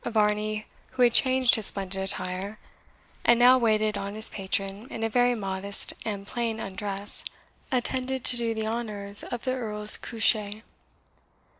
Varney, who had changed his splendid attire, and now waited on his patron in a very modest and plain undress, attended to do the honours of the Earl's COUCHER.